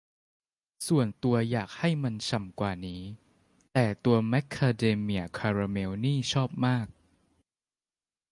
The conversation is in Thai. ส่วนตัวอยากให้มันฉ่ำกว่านี้ แต่ตัวแมคคาเดเมียคาราเมลนี่ชอบมาก